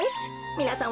みなさん